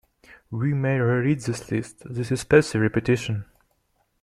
We may re-read this list: this is passive repetition.